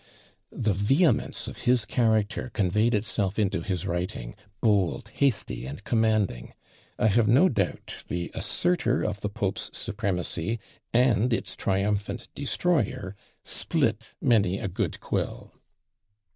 The vehemence of his character conveyed itself into his writing; bold, hasty, and commanding, I have no doubt the assertor of the Pope's supremacy and its triumphant destroyer split many a good quill.